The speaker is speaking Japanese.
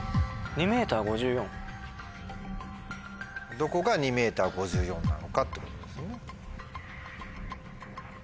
どこが２ｍ５４なのかってことですよね。